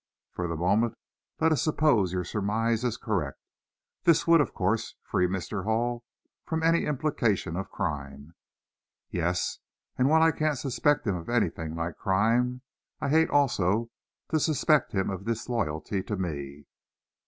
For the moment, let us suppose your surmise is correct. This would, of course, free Mr. Hall from any implication of crime." "Yes, and while I can't suspect him of anything like crime, I hate, also, to suspect him of disloyalty to me."